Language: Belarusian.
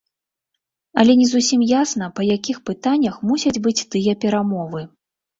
Але не зусім ясна па якіх пытаннях мусяць быць тыя перамовы.